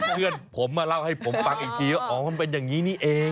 เพื่อนผมมาเล่าให้ผมฟังอีกทีว่าอ๋อมันเป็นอย่างนี้นี่เอง